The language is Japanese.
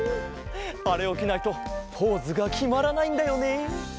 あれをきないとポーズがきまらないんだよね。